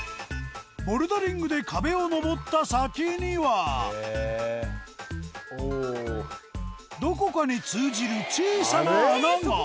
ボルダリングで壁を登った先にはどこかに通じる小さな穴が！